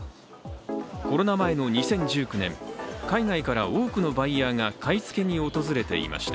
コロナ前の２０１９年、海外から多くのバイヤーが買い付けに訪れていました